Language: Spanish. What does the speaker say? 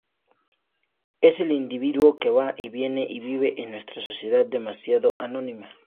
Es el individuo que va y viene y vive en nuestra sociedad demasiado anónima.